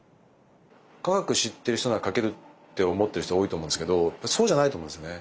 科学知ってる人なら書けるって思ってる人が多いと思うんですけどそうじゃないと思うんですよね。